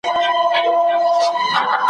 له آدمه تر دې دمه ټول پیران یو ,